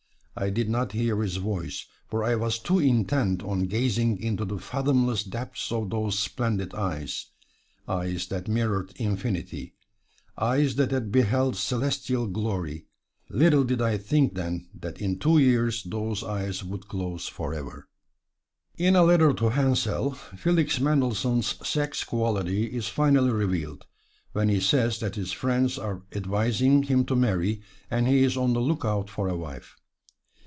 I did not hear his voice, for I was too intent on gazing into the fathomless depths of those splendid eyes eyes that mirrored infinity, eyes that had beheld celestial glory. Little did I think then that in two years those eyes would close forever." In a letter to Hensel, Felix Mendelssohn's sex quality is finely revealed, when he says that his friends are advising him to marry, and he is on the lookout for a wife.